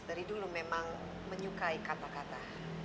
dari dulu memang menyukai kata kata